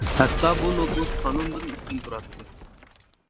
ھەتتا بۇ نوپۇز قانۇندىن ئۈستۈن تۇراتتى.